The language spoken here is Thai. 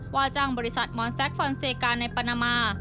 ว่าจ้างบริษัทมอนแซคฟอนเซกาในปานามา